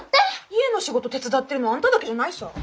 家の仕事手伝ってるのはあんただけじゃないさぁ。